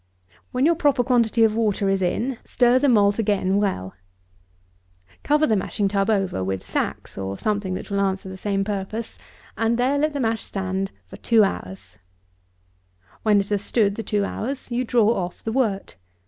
When your proper quantity of water is in, stir the malt again well. Cover the mashing tub over with sacks, or something that will answer the same purpose; and there let the mash stand for two hours. When it has stood the two hours, you draw off the wort.